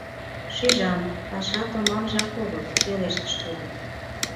— Шижам, паша томамжак огыл, — пелештыш тудо.